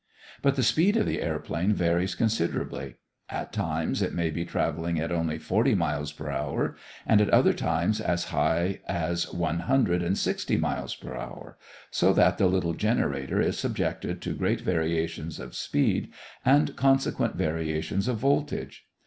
But the speed of the airplane varies considerably. At times, it may be traveling at only forty miles per hour, and at other times as high as one hundred and sixty miles per hour, so that the little generator is subjected to great variations of speed and consequent variations of voltage.